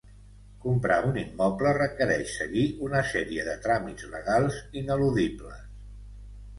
Comprar un immoble requereix seguir una sèrie de tràmits legals ineludibles.